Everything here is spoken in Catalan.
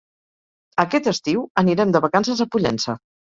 Aquest estiu anirem de vacances a Pollença.